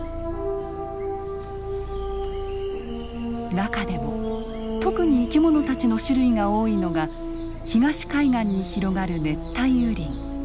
中でも特に生き物たちの種類が多いのが東海岸に広がる熱帯雨林。